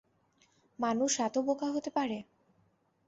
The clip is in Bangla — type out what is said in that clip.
মানুষ এত বোকা হতে পারে।